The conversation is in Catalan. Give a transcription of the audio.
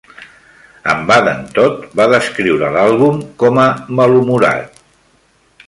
En Vaden Todd va descriure l'àlbum com a "malhumorat".